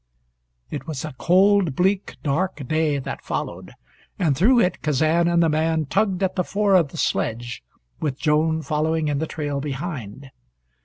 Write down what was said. It was a cold bleak dark day that followed, and through it Kazan and the man tugged at the fore of the sledge, with Joan following in the trail behind.